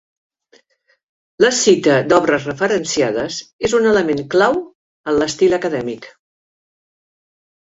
La cita d'obres referenciades és un element clau en l'estil acadèmic.